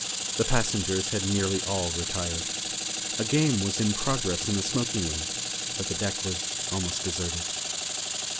The passengers had nearly all retired. A game was in progress in the smoking room, but the deck was almost deserted.